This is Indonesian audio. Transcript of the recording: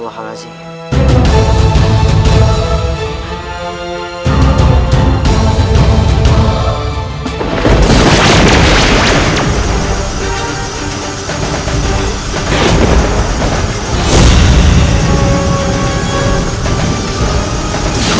mengontrol atau menjadi biksu